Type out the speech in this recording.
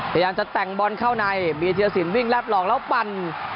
พยายามจะแต่งบอลเข้าในเบียธิรสินวิ่งรับหลอกแล้วปั่น